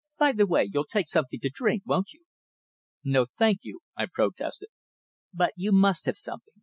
By the way you'll take something to drink, won't you?" "No, thank you," I protested. "But you must have something.